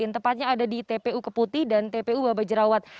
tepatnya ada di tpu keputi dan tpu baba jerawat